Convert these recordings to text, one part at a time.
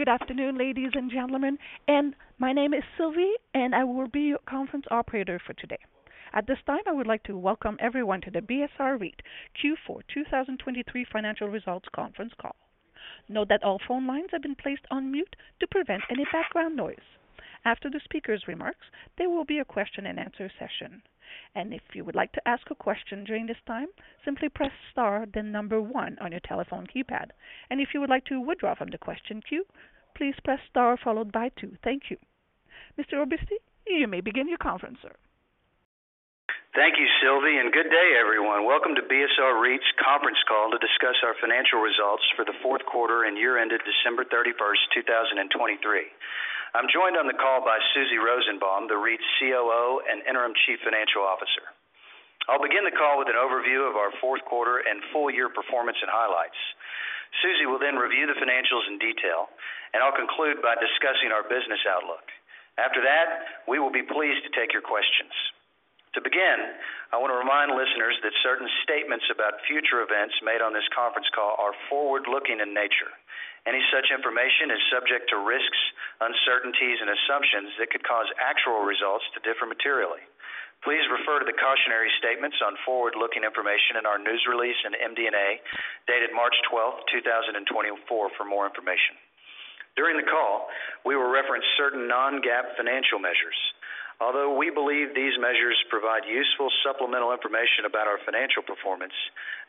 Good afternoon, ladies and gentlemen, and my name is Sylvie, and I will be your conference operator for today. At this time, I would like to welcome everyone to the BSR REIT Q4 2023 financial results conference call. Note that all phone lines have been placed on mute to prevent any background noise. After the speaker's remarks, there will be a question-and-answer session, and if you would like to ask a question during this time, simply press star, then 1 on your telephone keypad. If you would like to withdraw from the question queue, please press star followed by 2. Thank you. Mr. Oberste, you may begin your conference, sir. Thank you, Sylvie, and good day, everyone. Welcome to BSR REIT's conference call to discuss our financial results for the fourth quarter and year-ended December 31, 2023. I'm joined on the call by Susie Rosenbaum, the REIT's COO and interim chief financial officer. I'll begin the call with an overview of our fourth quarter and full-year performance and highlights. Susie will then review the financials in detail, and I'll conclude by discussing our business outlook. After that, we will be pleased to take your questions. To begin, I want to remind listeners that certain statements about future events made on this conference call are forward-looking in nature. Any such information is subject to risks, uncertainties, and assumptions that could cause actual results to differ materially. Please refer to the cautionary statements on forward-looking information in our news release in MD&A, dated March 12, 2024 for more information. During the call, we will reference certain non-GAAP financial measures. Although we believe these measures provide useful supplemental information about our financial performance,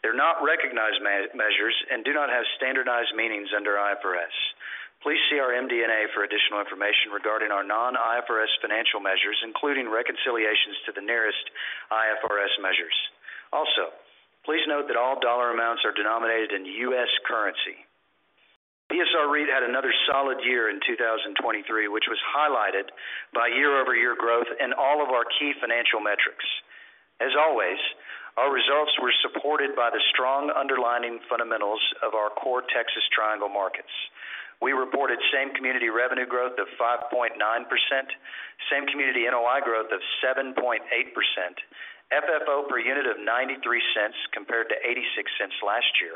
they're not recognized measures and do not have standardized meanings under IFRS. Please see our MD&A for additional information regarding our non-IFRS financial measures, including reconciliations to the nearest IFRS measures. Also, please note that all dollar amounts are denominated in U.S. currency. BSR REIT had another solid year in 2023, which was highlighted by year-over-year growth in all of our key financial metrics. As always, our results were supported by the strong underlying fundamentals of our core Texas Triangle markets. We reported same-community revenue growth of 5.9%, same-community NOI growth of 7.8%, FFO per unit of $0.93 compared to $0.86 last year,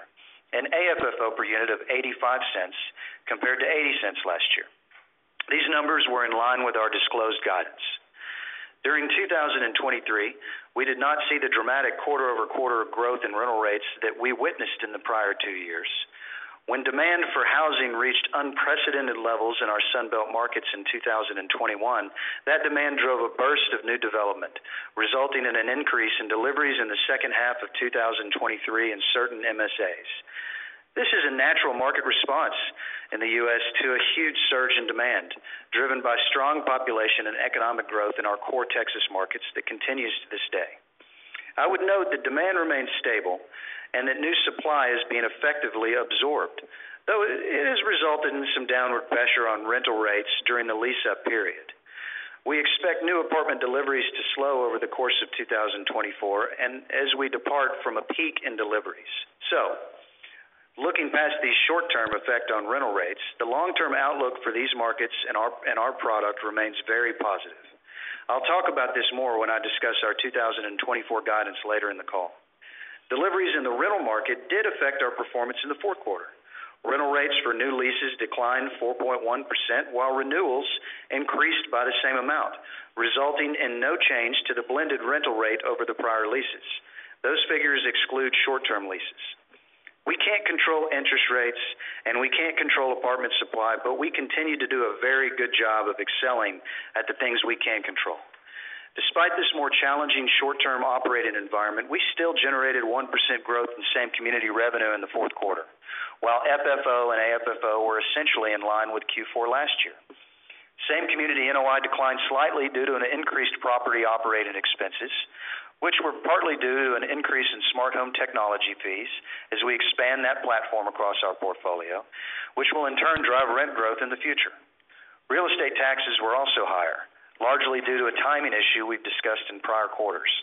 and AFFO per unit of $0.85 compared to $0.80 last year. These numbers were in line with our disclosed guidance. During 2023, we did not see the dramatic quarter-over-quarter growth in rental rates that we witnessed in the prior two years. When demand for housing reached unprecedented levels in our Sun Belt markets in 2021, that demand drove a burst of new development, resulting in an increase in deliveries in the second half of 2023 in certain MSAs. This is a natural market response in the U.S. to a huge surge in demand, driven by strong population and economic growth in our core Texas markets that continues to this day. I would note that demand remains stable and that new supply is being effectively absorbed, though it has resulted in some downward pressure on rental rates during the lease-up period. We expect new apartment deliveries to slow over the course of 2024 and as we depart from a peak in deliveries. So looking past the short-term effect on rental rates, the long-term outlook for these markets and our product remains very positive. I'll talk about this more when I discuss our 2024 guidance later in the call. Deliveries in the rental market did affect our performance in the fourth quarter. Rental rates for new leases declined 4.1%, while renewals increased by the same amount, resulting in no change to the blended rental rate over the prior leases. Those figures exclude short-term leases. We can't control interest rates, and we can't control apartment supply, but we continue to do a very good job of excelling at the things we can control. Despite this more challenging short-term operating environment, we still generated 1% growth in same-community revenue in the fourth quarter, while FFO and AFFO were essentially in line with Q4 last year. Same-community NOI declined slightly due to an increased property operating expenses, which were partly due to an increase in smart home technology fees as we expand that platform across our portfolio, which will in turn drive rent growth in the future. Real estate taxes were also higher, largely due to a timing issue we've discussed in prior quarters.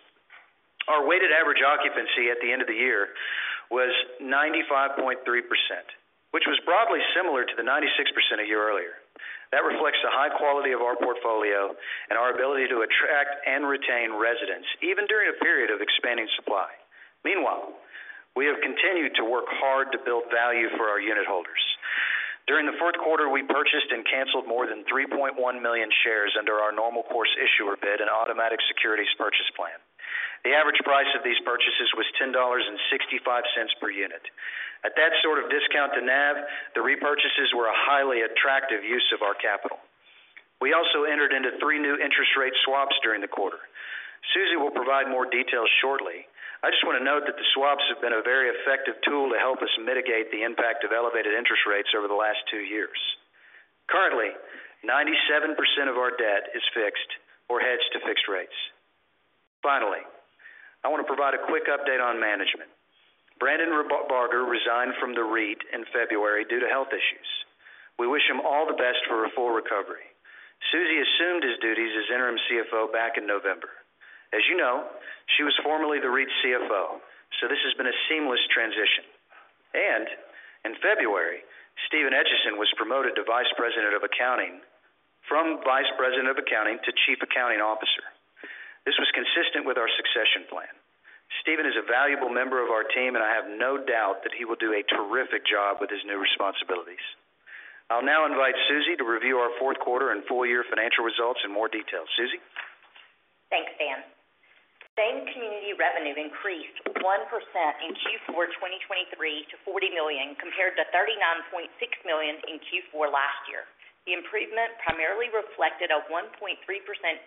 Our weighted average occupancy at the end of the year was 95.3%, which was broadly similar to the 96% a year earlier. That reflects the high quality of our portfolio and our ability to attract and retain residents, even during a period of expanding supply. Meanwhile, we have continued to work hard to build value for our unitholders. During the fourth quarter, we purchased and canceled more than 3.1 million shares under our normal course issuer bid and automatic securities purchase plan. The average price of these purchases was $10.65 per unit. At that sort of discount to NAV, the repurchases were a highly attractive use of our capital. We also entered into three new interest rate swaps during the quarter. Susie will provide more details shortly. I just want to note that the swaps have been a very effective tool to help us mitigate the impact of elevated interest rates over the last two years. Currently, 97% of our debt is fixed or hedged to fixed rates. Finally, I want to provide a quick update on management. Brandon Barger resigned from the REIT in February due to health issues. We wish him all the best for a full recovery. Susie assumed his duties as interim CFO back in November. As you know, she was formerly the REIT's CFO, so this has been a seamless transition. In February, Stephen Etchison was promoted from vice president of accounting to Chief Accounting Officer. This was consistent with our succession plan. Stephen is a valuable member of our team, and I have no doubt that he will do a terrific job with his new responsibilities. I'll now invite Susie to review our fourth quarter and full year financial results in more detail. Susie? Thanks, Dan. Same-Community revenue increased 1% in Q4 2023 to $40 million, compared to $39.6 million in Q4 last year. The improvement primarily reflected a 1.3%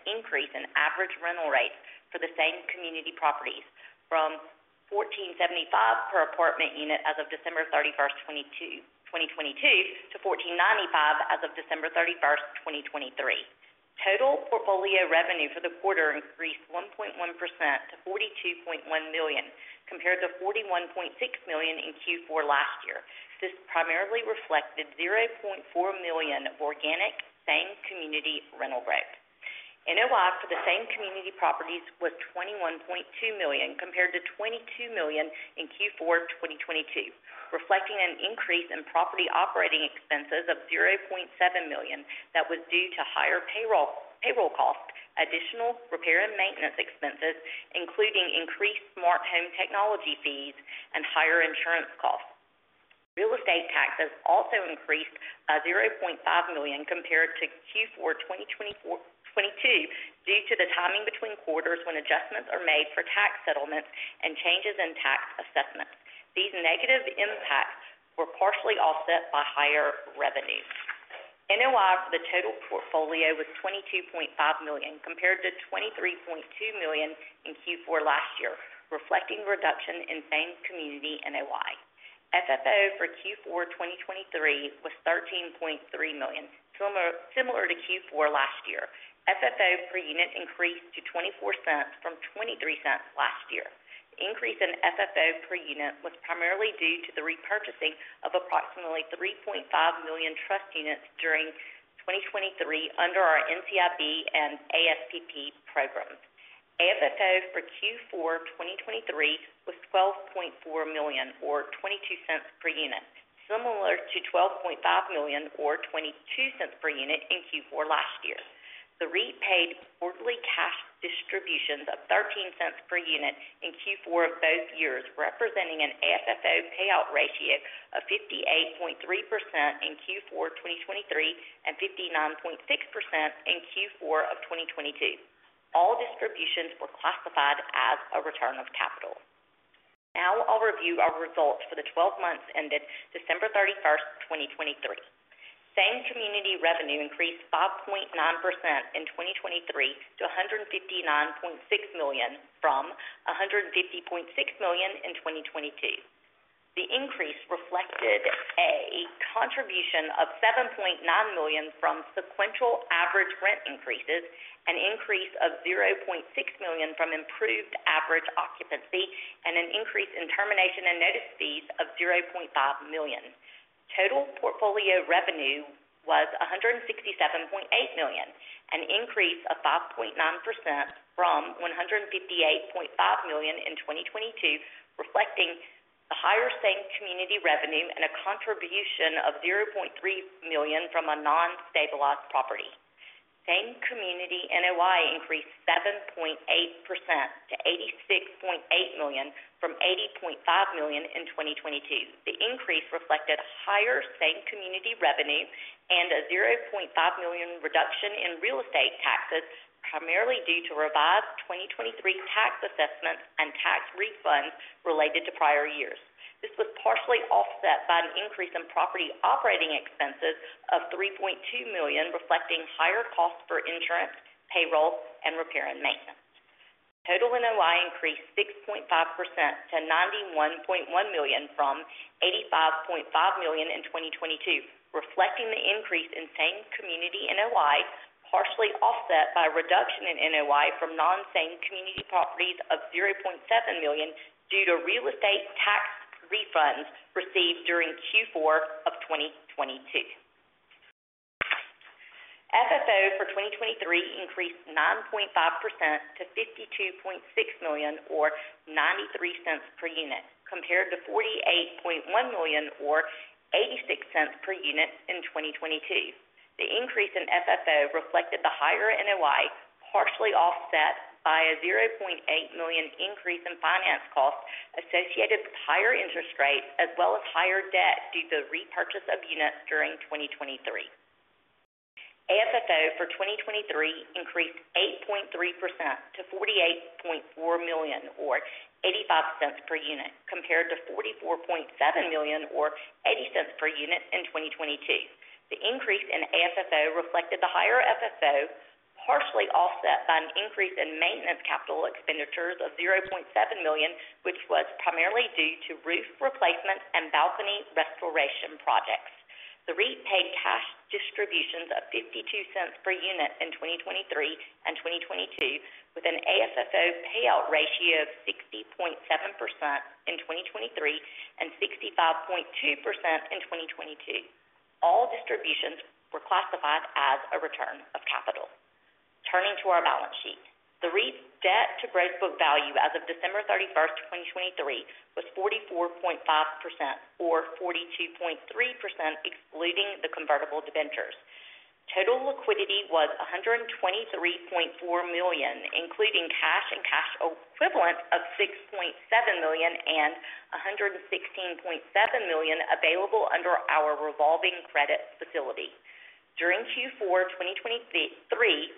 increase in average rental rates for the Same-Community properties, from $1,475 per apartment unit as of December 31, 2022, to $1,495 as of December 31, 2023. Total portfolio revenue for the quarter increased 1.1% to $42.1 million, compared to $41.6 million in Q4 last year. This primarily reflected $0.4 million organic Same-Community rental rates. NOI for the Same-Community properties was $21.2 million, compared to $22 million in Q4 2022, reflecting an increase in property operating expenses of $0.7 million. That was due to higher payroll, payroll costs, additional repair and maintenance expenses, including increased smart home technology fees and higher insurance costs. Real estate taxes also increased $0.5 million compared to Q4 2022, due to the timing between quarters when adjustments are made for tax settlements and changes in tax assessments. These negative impacts were partially offset by higher revenues. NOI for the total portfolio was $22.5 million, compared to $23.2 million in Q4 last year, reflecting reduction in same-community NOI. FFO for Q4 2023 was $13.3 million, similar to Q4 last year. FFO per unit increased to $0.24 from $0.23 last year. The increase in FFO per unit was primarily due to the repurchasing of approximately 3.5 million trust units during 2023 under our NCIB and ASPP programs. AFFO for Q4 2023 was $12.4 million, or $0.22 per unit, similar to $12.5 million or $0.22 per unit in Q4 last year. The REIT paid quarterly cash distributions of $0.13 per unit in Q4 of both years, representing an AFFO payout ratio of 58.3% in Q4 2023, and 59.6% in Q4 of 2022. All distributions were classified as a return of capital. Now I'll review our results for the twelve months ended December 31, 2023. Same-Community revenue increased 5.9% in 2023 to $159.6 million from $150.6 million in 2022. The increase reflected a contribution of $7.9 million from sequential average rent increases, an increase of $0.6 million from improved average occupancy, and an increase in termination and notice fees of $0.5 million. Total portfolio revenue was $167.8 million, an increase of 5.9% from $158.5 million in 2022, reflecting the higher same-community revenue and a contribution of $0.3 million from a non-stabilized property. Same-community NOI increased 7.8% to $86.8 million from $80.5 million in 2022. The increase reflected higher same-community revenue and a $0.5 million reduction in real estate taxes, primarily due to revised 2023 tax assessments and tax refunds related to prior years. This was partially offset by an increase in property operating expenses of $3.2 million, reflecting higher costs for insurance, payroll, and repair and maintenance. Total NOI increased 6.5% to $91.1 million from $85.5 million in 2022, reflecting the increase in same-community NOI, partially offset by a reduction in NOI from non-same community properties of $0.7 million due to real estate tax refunds received during Q4 of 2022. FFO for 2023 increased 9.5% to $52.6 million, or $0.93 per unit, compared to $48.1 million, or $0.86 per unit in 2022. The increase in FFO reflected the higher NOI, partially offset by a $0.8 million increase in finance costs associated with higher interest rates, as well as higher debt due to the repurchase of units during 2023. AFFO for 2023 increased 8.3% to $48.4 million, or $0.85 per unit, compared to $44.7 million, or $0.80 per unit in 2022. The increase in AFFO reflected the higher FFO, partially offset by an increase in maintenance capital expenditures of $0.7 million, which was primarily due to roof replacement and balcony restoration projects. The REIT paid cash distributions of $0.52 per unit in 2023 and 2022, with an AFFO payout ratio of 60.7% in 2023, and 65.2% in 2022. All distributions were classified as a return of capital. Turning to our balance sheet. The REIT's debt to gross book value as of December 31, 2023, was 44.5% or 42.3% excluding the convertible debentures. Total liquidity was $123.4 million, including cash and cash equivalents of $6.7 million and $116.7 million available under our revolving credit facility. During Q4 2023,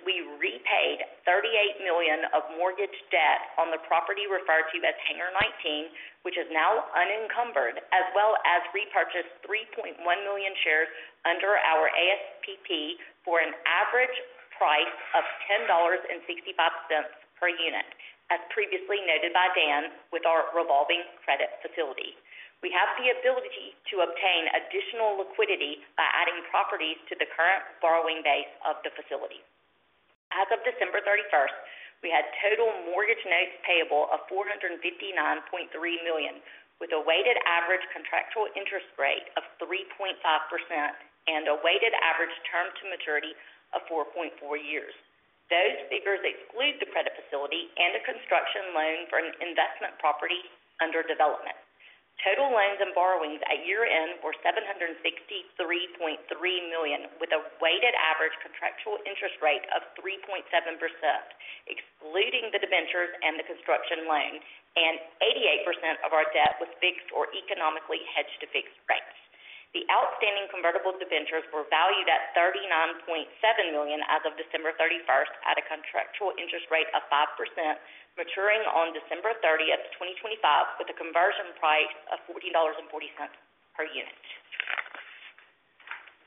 we repaid $38 million of mortgage debt on the property referred to as Hangar 19, which is now unencumbered, as well as repurchased 3.1 million shares under our ASPP for an average price of $10.65 per unit, as previously noted by Dan, with our revolving credit facility. We have the ability to obtain additional liquidity by adding properties to the current borrowing base of the facility. As of December 31, we had total mortgage notes payable of $459.3 million, with a weighted average contractual interest rate of 3.5% and a weighted average term to maturity of 4.4 years. Those figures exclude the credit facility and a construction loan for an investment property under development. Total loans and borrowings at year-end were $763.3 million, with a weighted average contractual interest rate of 3.7%, excluding the debentures and the construction loan, and 88% of our debt was fixed or economically hedged to fixed rates. The outstanding convertible debentures were valued at $39.7 million as of December 31, at a contractual interest rate of 5%, maturing on December 30, 2025, with a conversion price of $14.40 per unit.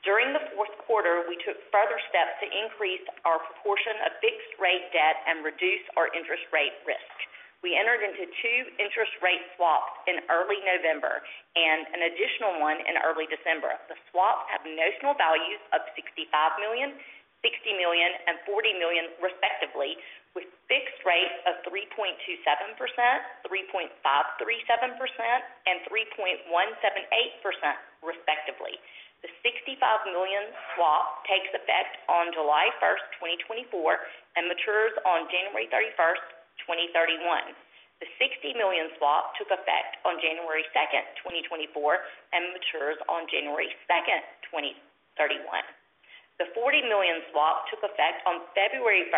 During the fourth quarter, we took further steps to increase our proportion of fixed-rate debt and reduce our interest rate risk. We entered into two interest rate swaps in early November and an additional one in early December. The swaps have notional values of $65 million, $60 million, and $40 million, respectively, with fixed rates of 3.27%, 3.537%, and 3.178%, respectively. The $65 million swap takes effect on July 1, 2024, and matures on January 31, 2031. The $60 million swap took effect on January 2, 2024, and matures on January 2, 2031. The $40 million swap took effect on February 1,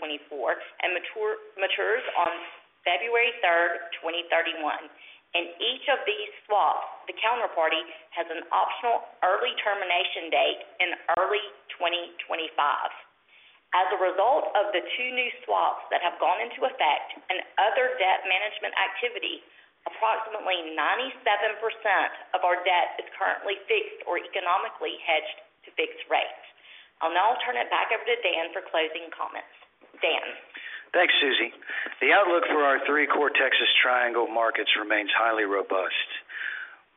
2024, and matures on February 3, 2031. In each of these swaps, the counterparty has an optional early termination date in early 2025. As a result of the two new swaps that have gone into effect and other debt management activity, approximately 97% of our debt is currently fixed or economically hedged to fixed rates. I'll now turn it back over to Dan for closing comments. Dan? Thanks, Susie. The outlook for our three core Texas Triangle markets remains highly robust.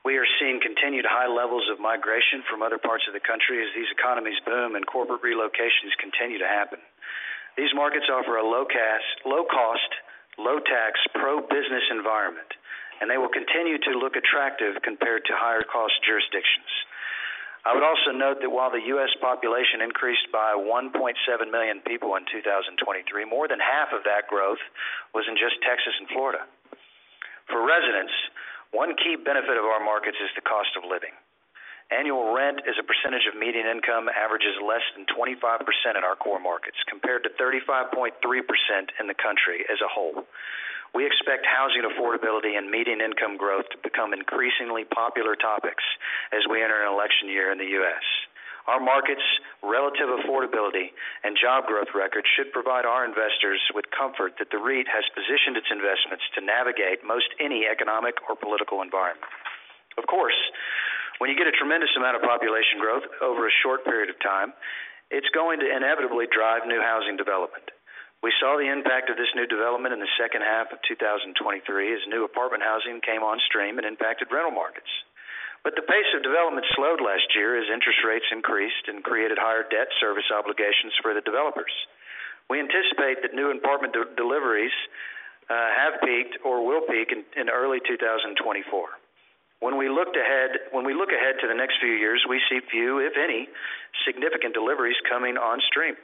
We are seeing continued high levels of migration from other parts of the country as these economies boom and corporate relocations continue to happen. These markets offer a low-cost, low-tax, pro-business environment, and they will continue to look attractive compared to higher-cost jurisdictions. I would also note that while the U.S. population increased by 1.7 million people in 2023, more than half of that growth was in just Texas and Florida. For residents, one key benefit of our markets is the cost of living. Annual rent as a percentage of median income averages less than 25% in our core markets, compared to 35.3% in the country as a whole. We expect housing affordability and median income growth to become increasingly popular topics as we enter an election year in the U.S. Our markets' relative affordability and job growth record should provide our investors with comfort that the REIT has positioned its investments to navigate most any economic or political environment. Of course, when you get a tremendous amount of population growth over a short period of time, it's going to inevitably drive new housing development. We saw the impact of this new development in the second half of 2023, as new apartment housing came on stream and impacted rental markets. But the pace of development slowed last year as interest rates increased and created higher debt service obligations for the developers. We anticipate that new apartment deliveries have peaked or will peak in early 2024. When we look ahead to the next few years, we see few, if any, significant deliveries coming on stream.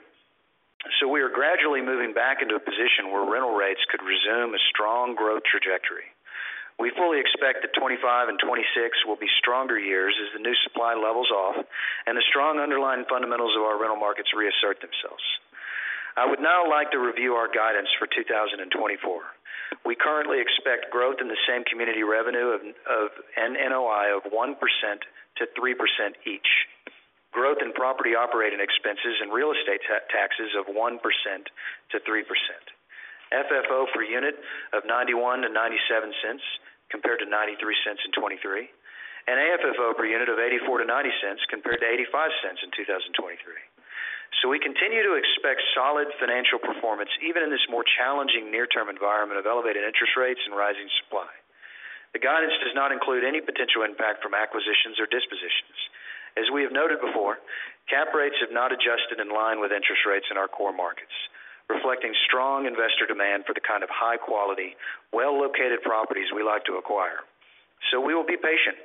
So we are gradually moving back into a position where rental rates could resume a strong growth trajectory. We fully expect that 2025 and 2026 will be stronger years as the new supply levels off and the strong underlying fundamentals of our rental markets reassert themselves. I would now like to review our guidance for 2024. We currently expect growth in the same-community revenue and NOI of 1%-3% each. Growth in property operating expenses and real estate taxes of 1%-3%. FFO per unit of $0.91-$0.97, compared to $0.93 in 2023, and AFFO per unit of $0.84-$0.90, compared to $0.85 in 2023. So we continue to expect solid financial performance, even in this more challenging near-term environment of elevated interest rates and rising supply. The guidance does not include any potential impact from acquisitions or dispositions. As we have noted before, cap rates have not adjusted in line with interest rates in our core markets, reflecting strong investor demand for the kind of high-quality, well-located properties we like to acquire. So we will be patient.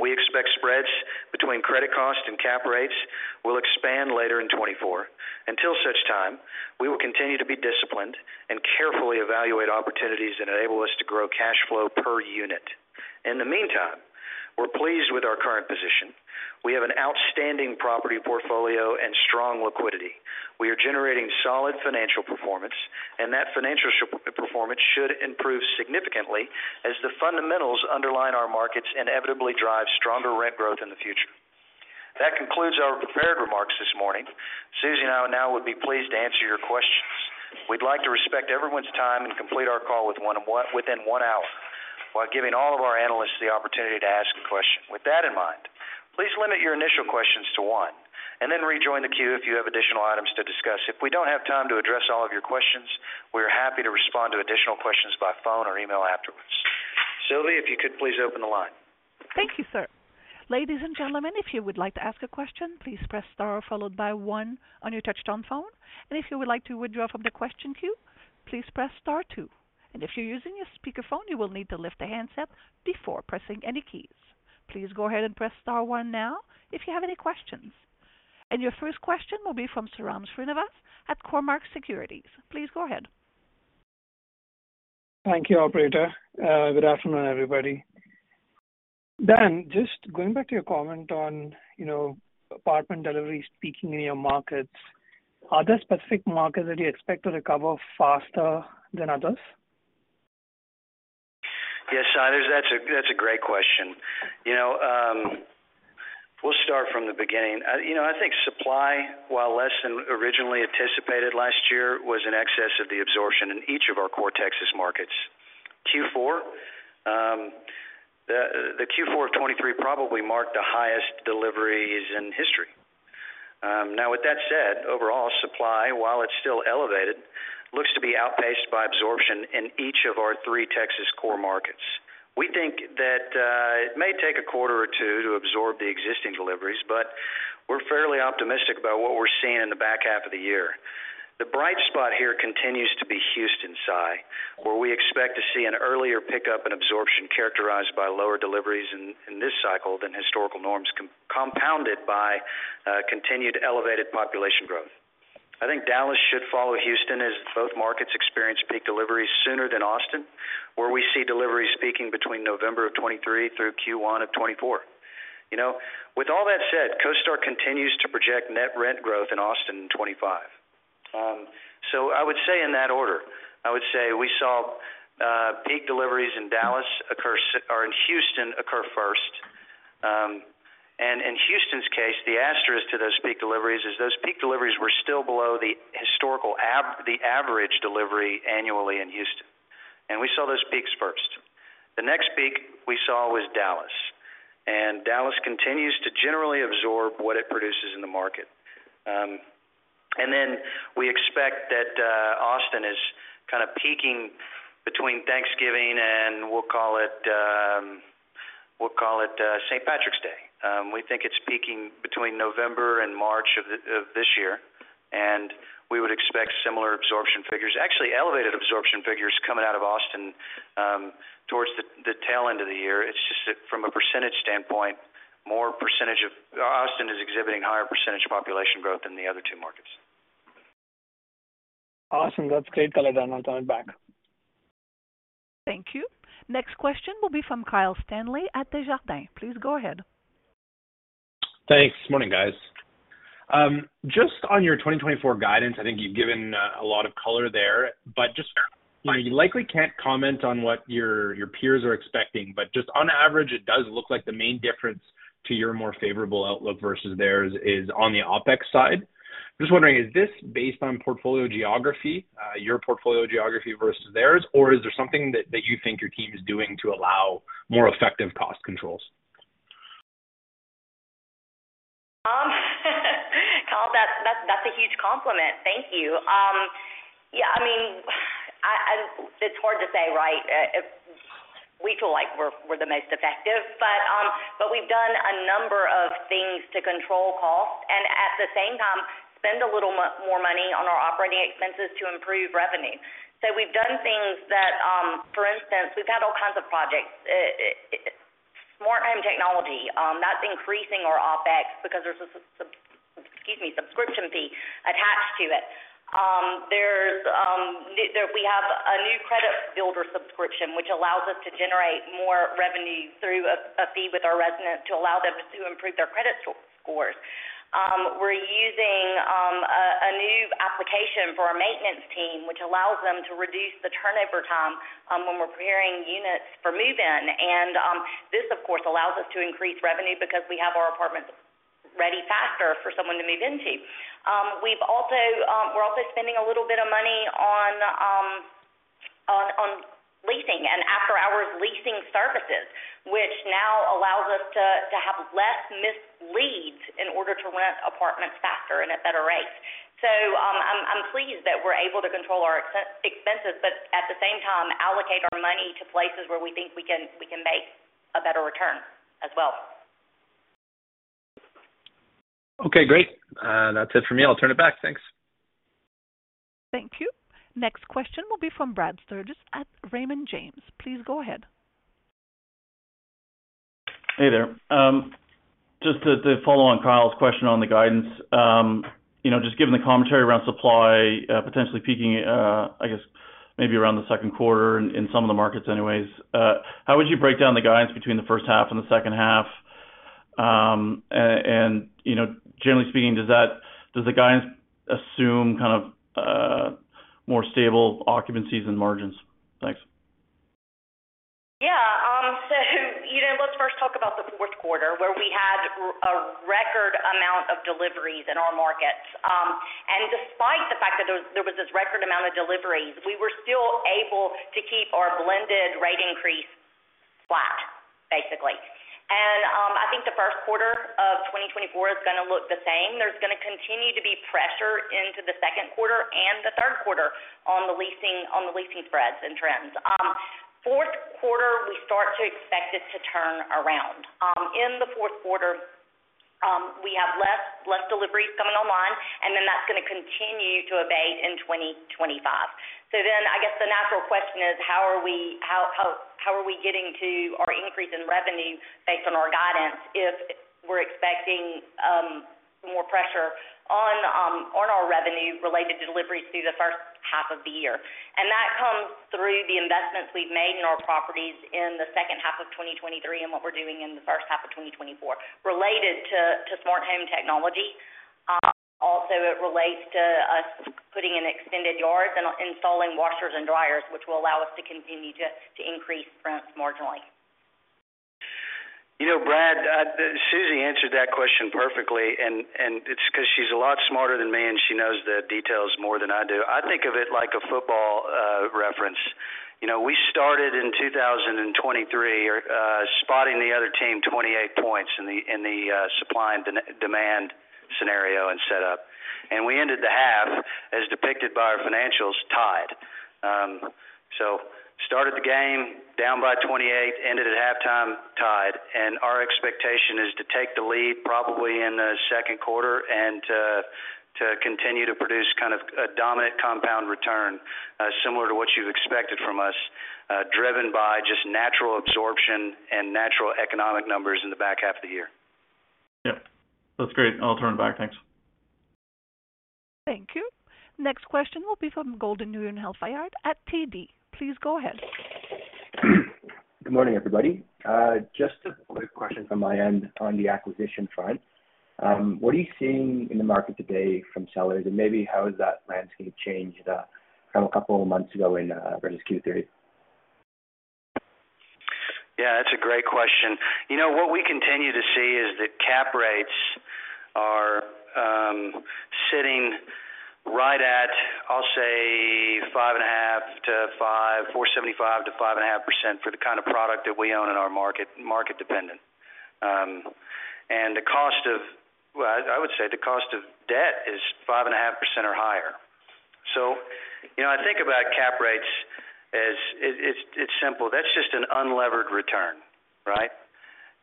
We expect spreads between credit costs and cap rates will expand later in 2024. Until such time, we will continue to be disciplined and carefully evaluate opportunities that enable us to grow cash flow per unit.... In the meantime, we're pleased with our current position. We have an outstanding property portfolio and strong liquidity. We are generating solid financial performance, and that financial performance should improve significantly as the fundamentals underlying our markets inevitably drive stronger rent growth in the future. That concludes our prepared remarks this morning. Susie and I now would be pleased to answer your questions. We'd like to respect everyone's time and complete our call within one hour, while giving all of our analysts the opportunity to ask a question. With that in mind, please limit your initial questions to one, and then rejoin the queue if you have additional items to discuss. If we don't have time to address all of your questions, we are happy to respond to additional questions by phone or email afterwards. Sylvie, if you could please open the line. Thank you, sir. Ladies and gentlemen, if you would like to ask a question, please press star followed by one on your touch-tone phone. And if you would like to withdraw from the question queue, please press star two. And if you're using a speakerphone, you will need to lift the handset before pressing any keys. Please go ahead and press star one now if you have any questions. And your first question will be from Sairam Srinivas at Cormark Securities. Please go ahead. Thank you, operator. Good afternoon, everybody. Dan, just going back to your comment on, you know, apartment deliveries peaking in your markets, are there specific markets that you expect to recover faster than others? Yes, Sai, that's a, that's a great question. You know, we'll start from the beginning. You know, I think supply, while less than originally anticipated last year, was in excess of the absorption in each of our core Texas markets. Q4, the Q4 of 2023 probably marked the highest deliveries in history. Now with that said, overall supply, while it's still elevated, looks to be outpaced by absorption in each of our three Texas core markets. We think that it may take a quarter or two to absorb the existing deliveries, but we're fairly optimistic about what we're seeing in the back half of the year. The bright spot here continues to be Houston, Sai, where we expect to see an earlier pickup in absorption, characterized by lower deliveries in this cycle than historical norms, compounded by continued elevated population growth. I think Dallas should follow Houston, as both markets experience peak deliveries sooner than Austin, where we see deliveries peaking between November of 2023 through Q1 of 2024. You know, with all that said, CoStar continues to project net rent growth in Austin in 2025. So I would say in that order. I would say we saw peak deliveries in Dallas occur, or in Houston occur first. And in Houston's case, the asterisk to those peak deliveries is those peak deliveries were still below the historical average delivery annually in Houston, and we saw those peaks first. The next peak we saw was Dallas, and Dallas continues to generally absorb what it produces in the market. And then we expect that Austin is kind of peaking between Thanksgiving and we'll call it St. Patrick's Day. We think it's peaking between November and March of this year, and we would expect similar absorption figures, actually elevated absorption figures coming out of Austin, towards the tail end of the year. It's just that from a percentage standpoint, more percentage of Austin is exhibiting higher percentage of population growth than the other two markets. Awesome. That's great color, Dan. I'll turn it back. Thank you. Next question will be from Kyle Stanley at Desjardins. Please go ahead. Thanks. Morning, guys. Just on your 2024 guidance, I think you've given a lot of color there, but just, you likely can't comment on what your peers are expecting, but just on average, it does look like the main difference to your more favorable outlook versus theirs is on the OpEx side. Just wondering, is this based on portfolio geography, your portfolio geography versus theirs, or is there something that you think your team is doing to allow more effective cost controls? Kyle, that's a huge compliment. Thank you. Yeah, I mean, it's hard to say, right? We feel like we're the most effective, but we've done a number of things to control costs and at the same time, spend a little more money on our operating expenses to improve revenue. So we've done things that, for instance, we've had all kinds of projects. More home technology, that's increasing our OpEx because there's a subscription fee attached to it. There's, we have a new credit builder subscription, which allows us to generate more revenue through a fee with our residents to allow them to improve their credit scores. We're using a new application for our maintenance team, which allows them to reduce the turnover time when we're preparing units for move-in. This, of course, allows us to increase revenue because we have our apartments ready faster for someone to move into. We're also spending a little bit of money on leasing and after-hours leasing services, which now allows us to have less missed leads in order to rent apartments faster and at better rates. So, I'm pleased that we're able to control our expenses, but at the same time, allocate our money to places where we think we can make a better return as well. Okay, great. That's it for me. I'll turn it back. Thanks. Thank you. Next question will be from Brad Sturges at Raymond James. Please go ahead. ...Hey there. Just to follow on Kyle's question on the guidance. You know, just given the commentary around supply, potentially peaking, I guess maybe around the second quarter in some of the markets anyways. How would you break down the guidance between the first half and the second half? And, you know, generally speaking, does that, does the guidance assume kind of more stable occupancies and margins? Thanks. Yeah. So, you know, let's first talk about the fourth quarter, where we had a record amount of deliveries in our markets. And despite the fact that there was, there was this record amount of deliveries, we were still able to keep our blended rate increase flat, basically. And I think the first quarter of 2024 is gonna look the same. There's gonna continue to be pressure into the second quarter and the third quarter on the leasing, on the leasing spreads and trends. Fourth quarter, we start to expect it to turn around. In the fourth quarter, we have less, less deliveries coming online, and then that's gonna continue to abate in 2025. So then, I guess the natural question is, how are we getting to our increase in revenue based on our guidance, if we're expecting more pressure on our revenue related to deliveries through the first half of the year? And that comes through the investments we've made in our properties in the second half of 2023, and what we're doing in the first half of 2024, related to smart home technology. Also, it relates to us putting in extended yards and installing washers and dryers, which will allow us to continue to increase rents marginally. You know, Brad, Susie answered that question perfectly, and it's because she's a lot smarter than me, and she knows the details more than I do. I think of it like a football reference. You know, we started in 2023 spotting the other team 28 points in the supply and demand scenario and setup. And we ended the half, as depicted by our financials, tied. So started the game down by 28, ended at halftime tied, and our expectation is to take the lead probably in the second quarter and to continue to produce kind of a dominant compound return similar to what you've expected from us driven by just natural absorption and natural economic numbers in the back half of the year. Yeah, that's great. I'll turn it back. Thanks. Thank you. Next question will be from Golden Nguyen-Hellfiard at TD. Please go ahead. Good morning, everybody. Just a quick question from my end on the acquisition front. What are you seeing in the market today from sellers? And maybe how has that landscape changed from a couple of months ago versus Q3? Yeah, that's a great question. You know, what we continue to see is that cap rates are sitting right at, I'll say, 5.5% to 5, 4.75% to 5.5% for the kind of product that we own in our market, market dependent. And the cost of debt is 5.5% or higher. Well, I would say the cost of debt is 5.5% or higher. So, you know, I think about cap rates as it's simple. That's just an unlevered return, right?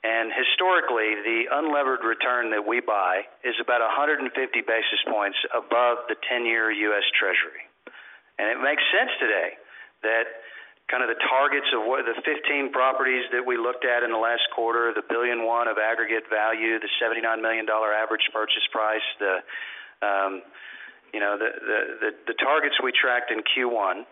And historically, the unlevered return that we buy is about 150 basis points above the 10-year U.S. Treasury. It makes sense today, that kind of the targets of what the 15 properties that we looked at in the last quarter, the $1 billion of aggregate value, the $79 million average purchase price, you know, the targets we tracked in Q1,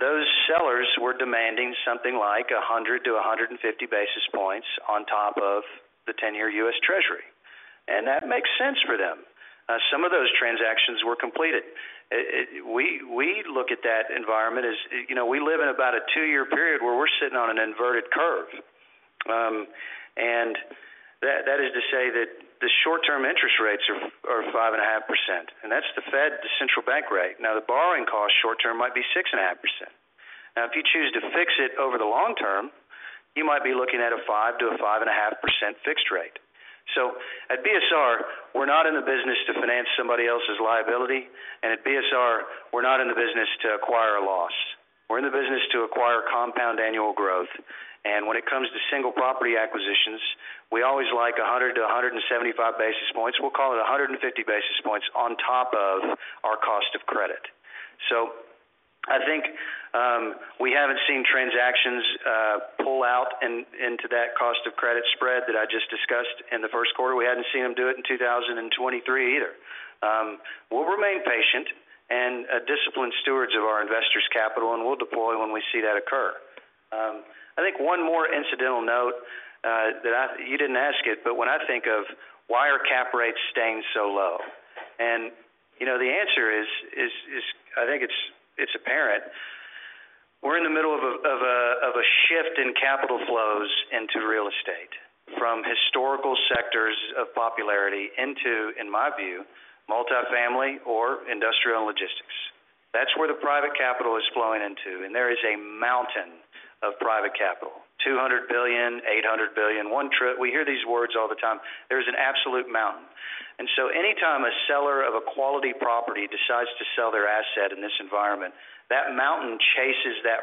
those sellers were demanding something like 100-150 basis points on top of the 10-year U.S. Treasury. That makes sense for them. Some of those transactions were completed. We look at that environment as, you know, we live in about a 2-year period where we're sitting on an inverted curve. And that is to say that the short-term interest rates are 5.5%, and that's the Fed, the central bank rate. Now, the borrowing cost short term might be 6.5%. Now, if you choose to fix it over the long term, you might be looking at a 5 to a 5.5% fixed rate. So at BSR, we're not in the business to finance somebody else's liability, and at BSR, we're not in the business to acquire a loss. We're in the business to acquire compound annual growth. And when it comes to single property acquisitions, we always like 100-175 basis points. We'll call it 150 basis points on top of our cost of credit. So I think, we haven't seen transactions, pull out in, into that cost of credit spread that I just discussed in the first quarter. We hadn't seen them do it in 2023 either. We'll remain patient and disciplined stewards of our investors' capital, and we'll deploy when we see that occur. I think one more incidental note that I... You didn't ask it, but when I think of why are cap rates staying so low? And, you know, the answer is, I think it's apparent. We're in the middle of a shift in capital flows into real estate, from historical sectors of popularity into, in my view, multifamily or industrial and logistics. That's where the private capital is flowing into, and there is a mountain of private capital, $200 billion, $800 billion, one tri- we hear these words all the time. There's an absolute mountain. So any time a seller of a quality property decides to sell their asset in this environment, that mountain chases that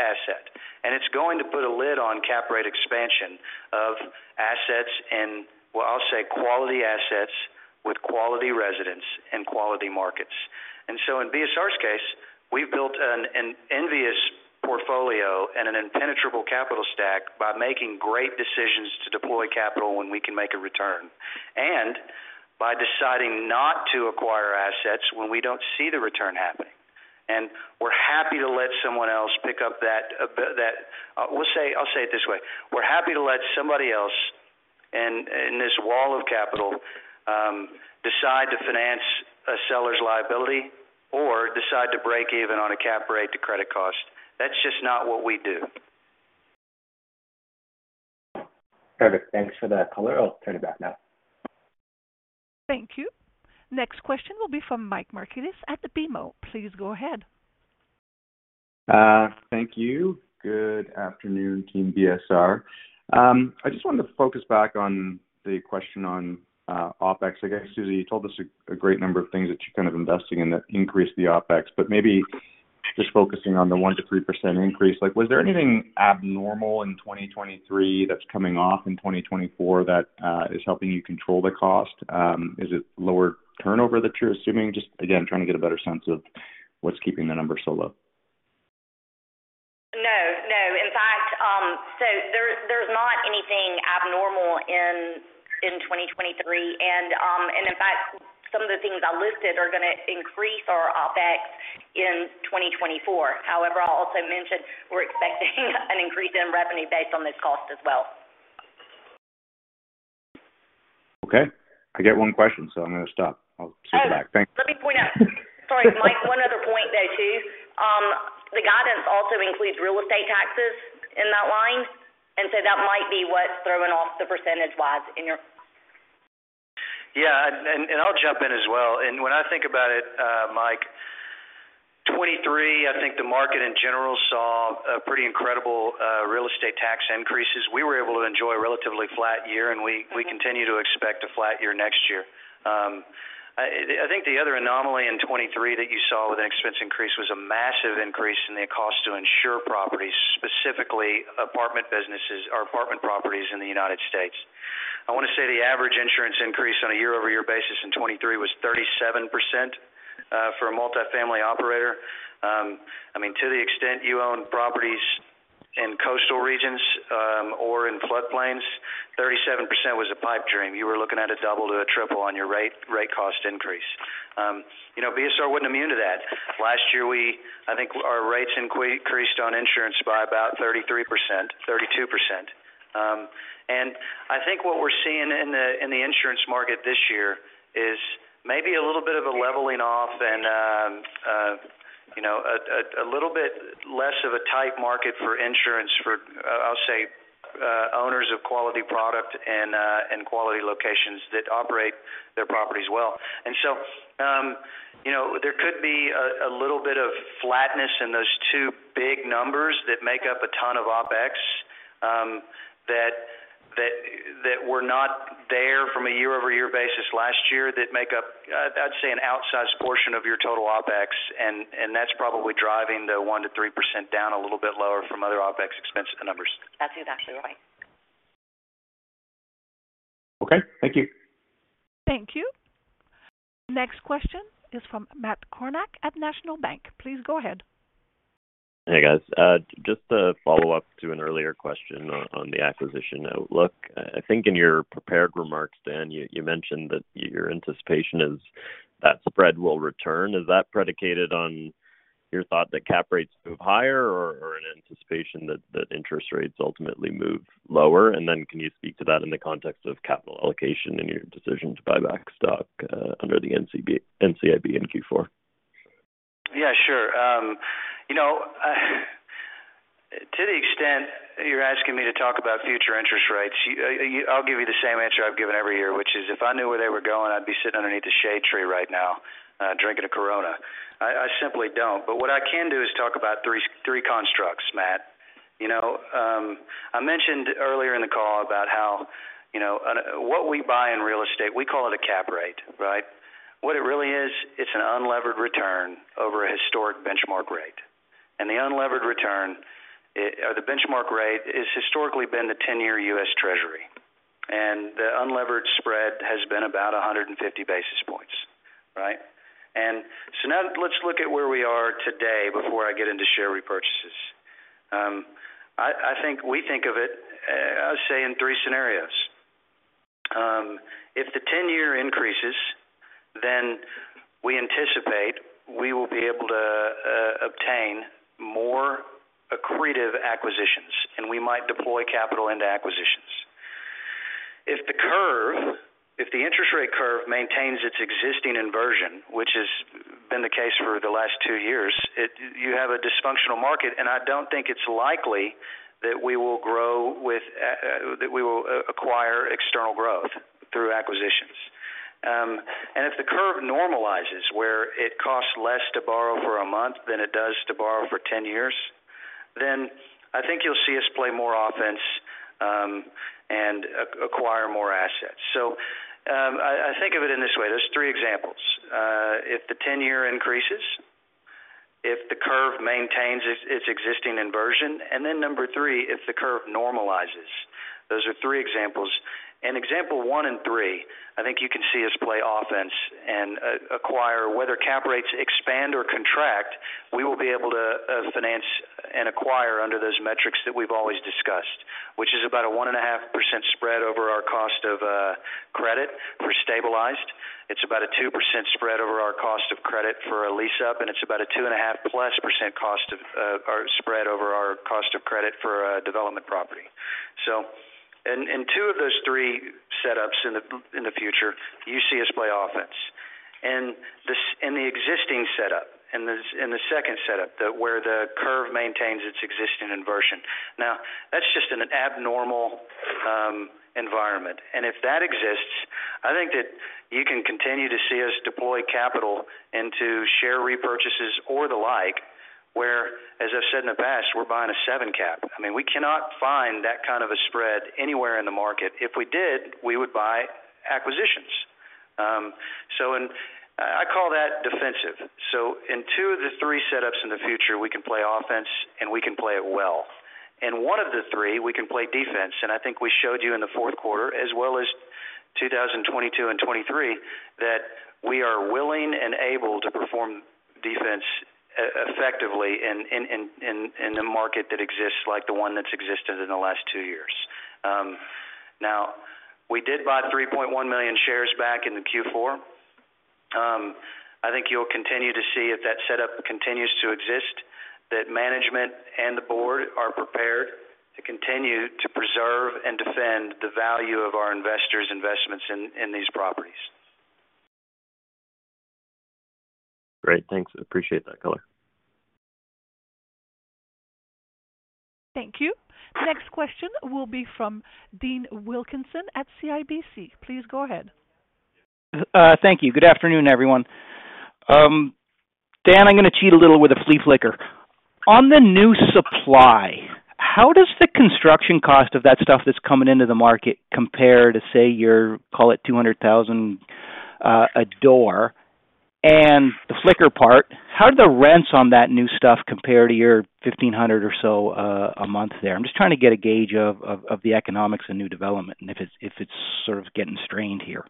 asset, and it's going to put a lid on cap rate expansion of assets and, well, I'll say quality assets with quality residents and quality markets. So in BSR's case, we've built an enviable portfolio and an impenetrable capital stack by making great decisions to deploy capital when we can make a return, and by deciding not to acquire assets when we don't see the return happening. And we're happy to let someone else pick up that, we'll say, I'll say it this way: We're happy to let somebody else, and in this wall of capital, decide to finance a seller's liability or decide to break even on a cap rate to credit cost. That's just not what we do. Perfect. Thanks for that color. I'll turn it back now. Thank you. Next question will be from Mike Markidis at the BMO. Please go ahead. Thank you. Good afternoon, team BSR. I just wanted to focus back on the question on OpEx. I guess, Susie, you told us a great number of things that you're kind of investing in that increase the OpEx, but maybe just focusing on the 1%-3% increase, like, was there anything abnormal in 2023 that's coming off in 2024 that is helping you control the cost? Is it lower turnover that you're assuming? Just again, trying to get a better sense of what's keeping the numbers so low. No, no. In fact, so there, there's not anything abnormal in 2023. And, in fact, some of the things I listed are gonna increase our OpEx in 2024. However, I also mentioned we're expecting an increase in revenue based on this cost as well. Okay, I get one question, so I'm gonna stop. I'll sit back. Thanks. Let me point out... Sorry, Mike, one other point, though, too. The guidance also includes real estate taxes in that line, and so that might be what's throwing off the percentage-wise in your- Yeah, and I'll jump in as well. And when I think about it, Mike, 2023, I think the market in general saw a pretty incredible real estate tax increases. We were able to enjoy a relatively flat year, and we continue to expect a flat year next year. I think the other anomaly in 2023 that you saw with an expense increase was a massive increase in the cost to insure properties, specifically apartment businesses or apartment properties in the United States. I wanna say the average insurance increase on a year-over-year basis in 2023 was 37%, for a multifamily operator. I mean, to the extent you own properties in coastal regions, or in floodplains, 37% was a pipe dream. You were looking at a double to a triple on your rate cost increase. You know, BSR wasn't immune to that. Last year, I think our rates increased on insurance by about 33%, 32%. And I think what we're seeing in the insurance market this year is maybe a little bit of a leveling off and, you know, a little bit less of a tight market for insurance for, I'll say, owners of quality product and quality locations that operate their properties well. And so, you know, there could be a little bit of flatness in those two big numbers that make up a ton of OpEx, that were not there from a year-over-year basis last year, that make up, I'd say, an outsized portion of your total OpEx, and that's probably driving the 1%-3% down a little bit lower from other OpEx expense numbers. That's it, actually. Right. Okay, thank you. Thank you. Next question is from Matt Kornack at National Bank. Please go ahead. Hey, guys. Just to follow up to an earlier question on the acquisition outlook. I think in your prepared remarks, Dan, you mentioned that your anticipation is that spread will return. Is that predicated on your thought that cap rates move higher or an anticipation that interest rates ultimately move lower? And then can you speak to that in the context of capital allocation in your decision to buy back stock under the NCIB in Q4? Yeah, sure. You know, to the extent you're asking me to talk about future interest rates, you... I'll give you the same answer I've given every year, which is if I knew where they were going, I'd be sitting underneath a shade tree right now, drinking a Corona. I simply don't. But what I can do is talk about three constructs, Matt. You know, I mentioned earlier in the call about how, you know, what we buy in real estate, we call it a cap rate, right? What it really is, it's an unlevered return over a historic benchmark rate. And the unlevered return, the benchmark rate, it's historically been the ten-year U.S. Treasury, and the unlevered spread has been about 150 basis points, right? So now let's look at where we are today before I get into share repurchases. I think we think of it, I would say, in three scenarios. If the 10-year increases, then we anticipate we will be able to obtain more accretive acquisitions, and we might deploy capital into acquisitions. If the curve, if the interest rate curve maintains its existing inversion, which has been the case for the last two years, it you have a dysfunctional market, and I don't think it's likely that we will acquire external growth through acquisitions. And if the curve normalizes, where it costs less to borrow for a month than it does to borrow for 10 years, then I think you'll see us play more offense and acquire more assets. So, I think of it in this way. There's three examples. If the 10-year maintains its existing inversion, and then number three, if the curve normalizes. Those are three examples. In example one and three, I think you can see us play offense and acquire. Whether cap rates expand or contract, we will be able to finance and acquire under those metrics that we've always discussed, which is about a 1.5% spread over our cost of credit for stabilized. It's about a 2% spread over our cost of credit for a lease-up, and it's about a 2.5%+ spread over our cost of credit for a development property. So in two of those three setups in the future, you see us play offense. In the existing setup, in the second setup, where the curve maintains its existing inversion. Now, that's just an abnormal environment, and if that exists, I think that you can continue to see us deploy capital into share repurchases or the like, where, as I've said in the past, we're buying a seven cap. I mean, we cannot find that kind of a spread anywhere in the market. If we did, we would buy acquisitions. So in... I call that defensive. So in two of the three setups in the future, we can play offense, and we can play it well. In one of the three, we can play defense, and I think we showed you in the fourth quarter, as well as 2022 and 2023, that we are willing and able to perform defense effectively in a market that exists like the one that's existed in the last two years. Now, we did buy 3.1 million shares back in the Q4. I think you'll continue to see, if that setup continues to exist, that management and the board are prepared to continue to preserve and defend the value of our investors' investments in these properties. Great, thanks. I appreciate that color. Thank you. Next question will be from Dean Wilkinson at CIBC. Please go ahead. Thank you. Good afternoon, everyone. Dan, I'm gonna cheat a little with a flea flicker. On the new supply, how does the construction cost of that stuff that's coming into the market compare to, say, your, call it $200,000 a door? And the flicker part, how do the rents on that new stuff compare to your $1,500 or so a month there? I'm just trying to get a gauge of the economics and new development, and if it's sort of getting strained here.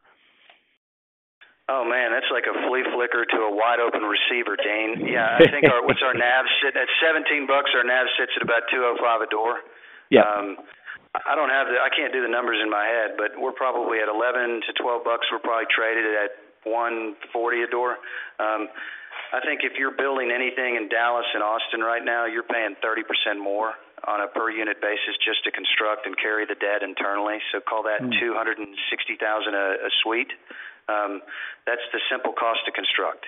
Oh, man, that's like a flea flicker to a wide open receiver, Dean. Yeah, I think our... What's our NAV sitting at? $17. Our NAV sits at about $205 a door. Yeah. I can't do the numbers in my head, but we're probably at $11-$12. We're probably traded at 140 a door. I think if you're building anything in Dallas and Austin right now, you're paying 30% more on a per unit basis just to construct and carry the debt internally. So call that $260,000 a suite. That's the simple cost to construct.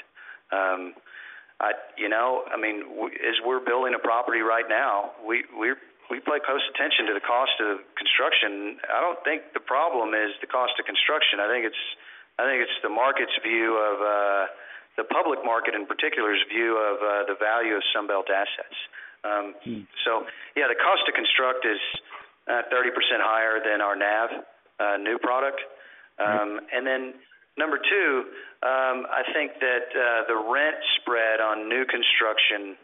You know, I mean, as we're building a property right now, we pay close attention to the cost of construction. I don't think the problem is the cost of construction. I think it's the market's view of the public market, in particular's view of the value of Sunbelt assets. So yeah, the cost to construct is 30% higher than our NAV new product. And then number two, I think that the rent spread on new construction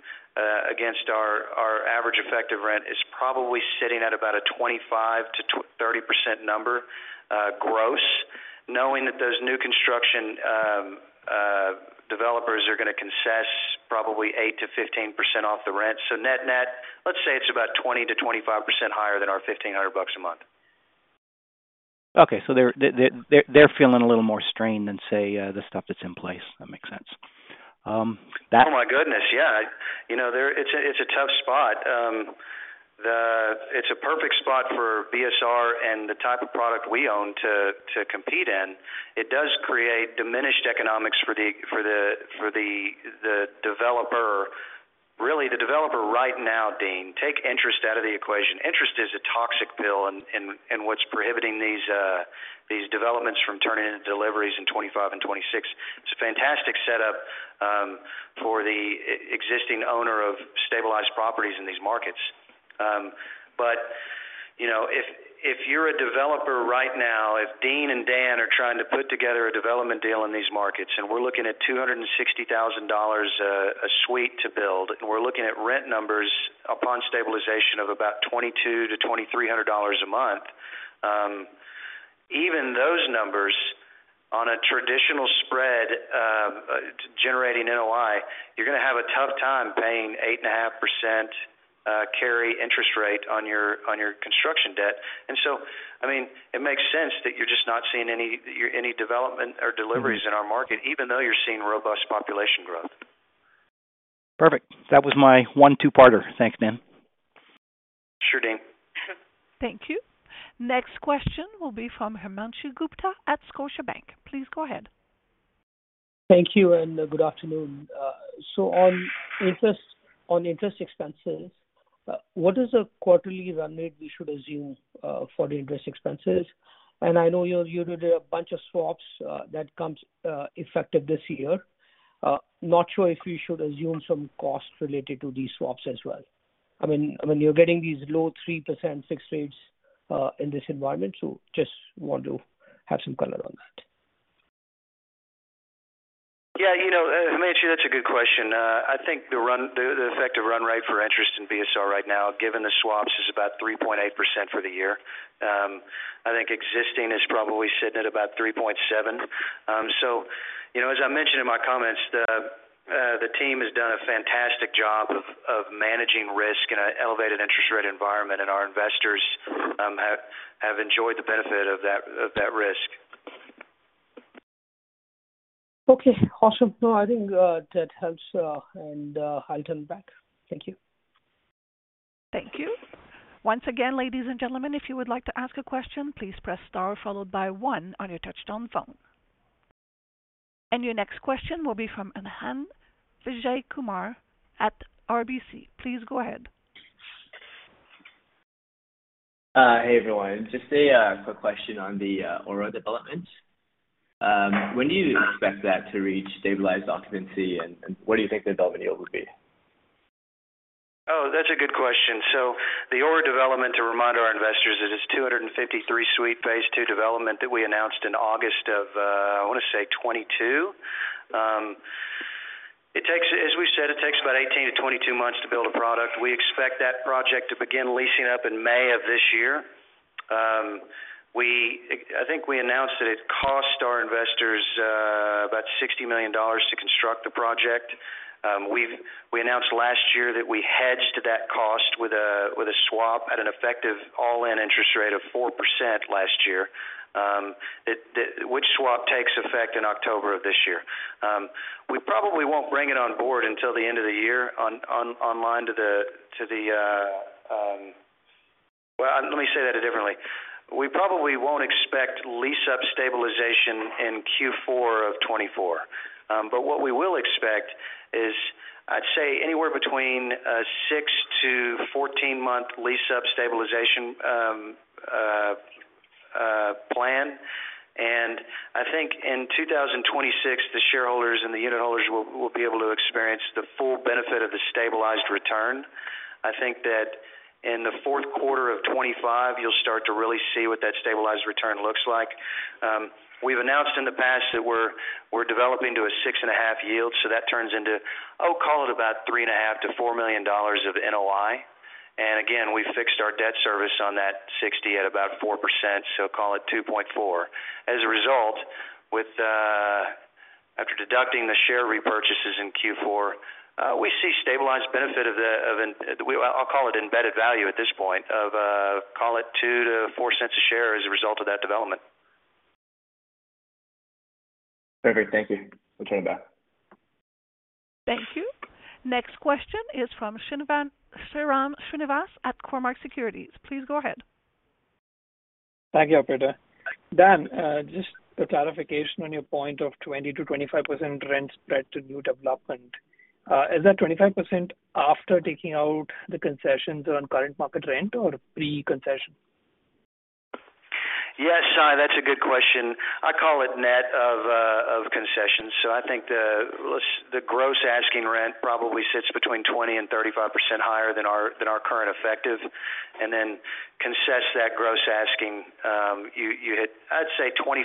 against our average effective rent is probably sitting at about a 25%-30% number, gross, knowing that those new construction developers are gonna concessions probably 8%-15% off the rent. So net-net, let's say it's about 20%-25% higher than our $1,500 a month. Okay, so they're feeling a little more strained than, say, the stuff that's in place. That makes sense. Oh, my goodness! Yeah. You know, they're... It's a, it's a tough spot. It's a perfect spot for BSR and the type of product we own to compete in. It does create diminished economics for the developer. Really, the developer right now, Dean, take interest out of the equation. Interest is a toxic pill and what's prohibiting these developments from turning into deliveries in 2025 and 2026. It's a fantastic setup for the existing owner of stabilized properties in these markets. But, you know, if you're a developer right now, if Dean and Dan are trying to put together a development deal in these markets, and we're looking at $260,000 a suite to build, and we're looking at rent numbers upon stabilization of about $2,200-$2,300 a month, even those numbers on a traditional spread, generating NOI, you're gonna have a tough time paying 8.5% carry interest rate on your construction debt. And so, I mean, it makes sense that you're just not seeing any development or deliveries in our market, even though you're seeing robust population growth. Perfect. That was my one two-parter. Thanks, Dan. Sure, Dean. Thank you. Next question will be from Himanshu Gupta at Scotiabank. Please go ahead. Thank you and good afternoon. So on interest, on interest expenses, what is the quarterly run rate we should assume for the interest expenses? And I know you, you did a bunch of swaps that comes effective this year. Not sure if we should assume some costs related to these swaps as well. I mean, when you're getting these low 3% fixed rates in this environment, so just want to have some color on that. ... Yeah, you know, Himanshu, that's a good question. I think the run, the, the effective run rate for interest in BSR right now, given the swaps, is about 3.8% for the year. I think existing is probably sitting at about 3.7%. So, you know, as I mentioned in my comments, the, the team has done a fantastic job of, of managing risk in an elevated interest rate environment, and our investors, have, have enjoyed the benefit of that, of that risk. Okay, awesome. No, I think that helps, and I'll turn back. Thank you. Thank you. Once again, ladies and gentlemen, if you would like to ask a question, please press star followed by one on your touchtone phone. Your next question will be from Anand Vijayakumar at RBC. Please go ahead. Hey, everyone. Just a quick question on the Aura development. When do you expect that to reach stabilized occupancy, and what do you think the development yield will be? Oh, that's a good question. So the Aura development, to remind our investors, it is 253-suite phase two development that we announced in August of, I wanna say 2022. It takes about 18-22 months to build a product. We expect that project to begin leasing up in May of this year. I think we announced that it cost our investors about $60 million to construct the project. We announced last year that we hedged that cost with a swap at an effective all-in interest rate of 4% last year, which swap takes effect in October of this year. We probably won't bring it on board until the end of the year, on online to the, to the. Well, let me say that differently. We probably won't expect lease-up stabilization in Q4 of 2024. But what we will expect is, I'd say, anywhere between a 6-14-month lease-up stabilization plan. And I think in 2026, the shareholders and the unitholders will be able to experience the full benefit of the stabilized return. I think that in the fourth quarter of 2025, you'll start to really see what that stabilized return looks like. We've announced in the past that we're developing to a 6.5 yield, so that turns into, oh, call it about $3.5-$4 million of NOI. And again, we fixed our debt service on that $60 million at about 4%, so call it $2.4 million. As a result, after deducting the share repurchases in Q4, we see stabilized benefit of the, well, I'll call it embedded value at this point, of call it $0.02-$0.04 a share as a result of that development. Perfect. Thank you. I'll turn it back. Thank you. Next question is from Sairam Srinivas at Cormark Securities. Please go ahead. Thank you, operator. Dan, just a clarification on your point of 20%-25% rent spread to new development. Is that 25% after taking out the concessions on current market rent or pre-concession? Yes, Sai, that's a good question. I call it net of concessions. So I think the gross asking rent probably sits between 20%-35% higher than our current effective, and then concessions that gross asking, you hit... I'd say 25%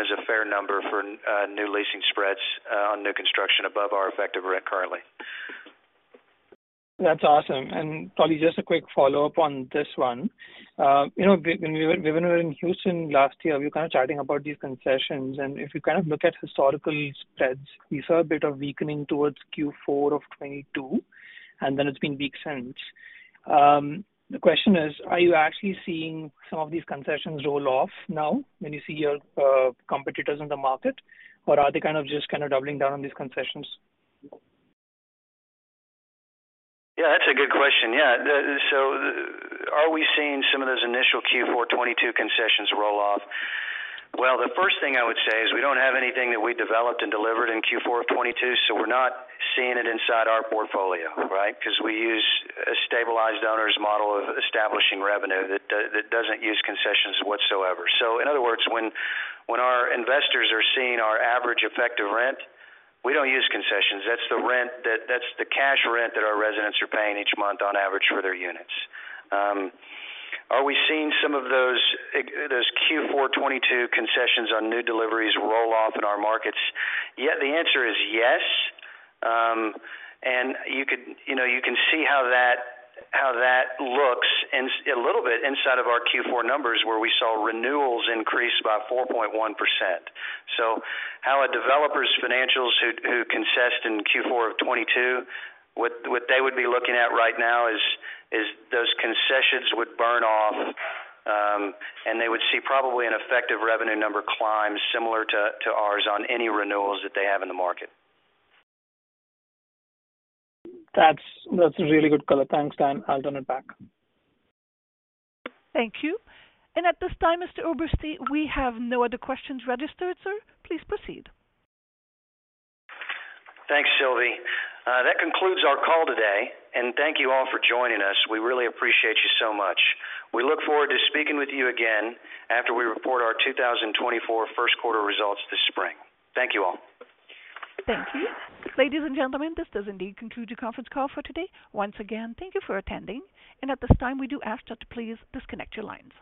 is a fair number for new leasing spreads on new construction above our effective rent currently. That's awesome. And probably just a quick follow-up on this one. You know, when we were in Houston last year, we were kind of chatting about these concessions, and if you kind of look at historical spreads, we saw a bit of weakening towards Q4 of 2022, and then it's been weak since. The question is, are you actually seeing some of these concessions roll off now when you see your competitors in the market, or are they kind of just kind of doubling down on these concessions? Yeah, that's a good question. Yeah, so are we seeing some of those initial Q4 2022 concessions roll off? Well, the first thing I would say is we don't have anything that we developed and delivered in Q4 of 2022, so we're not seeing it inside our portfolio, right? Because we use a stabilized owners model of establishing revenue that doesn't use concessions whatsoever. So in other words, when our investors are seeing our average effective rent, we don't use concessions. That's the rent that's the cash rent that our residents are paying each month on average for their units. Are we seeing some of those, e.g., those Q4 2022 concessions on new deliveries roll off in our markets? Yeah, the answer is yes. And you could, you know, you can see how that looks in a little bit inside of our Q4 numbers, where we saw renewals increase by 4.1%. So how a developer's financials who concessed in Q4 of 2022, what they would be looking at right now is those concessions would burn off, and they would see probably an effective revenue number climb similar to ours on any renewals that they have in the market. That's a really good color. Thanks, Dan. I'll turn it back. Thank you. At this time, Mr. Oberste, we have no other questions registered, sir. Please proceed. Thanks, Sylvie. That concludes our call today, and thank you all for joining us. We really appreciate you so much. We look forward to speaking with you again after we report our 2024 first quarter results this spring. Thank you all. Thank you. Ladies and gentlemen, this does indeed conclude the conference call for today. Once again, thank you for attending, and at this time, we do ask that you please disconnect your lines.